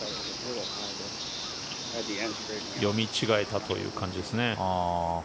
読み違えたという感じですね。